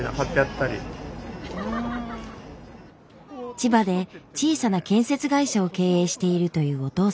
千葉で小さな建設会社を経営しているというお父さん。